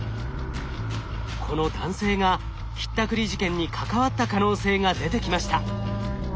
この男性がひったくり事件に関わった可能性が出てきました。